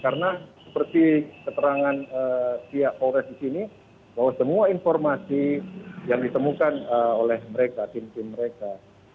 karena seperti keterangan pihak polres di sini bahwa semua informasi yang ditemukan oleh mereka tim tim mereka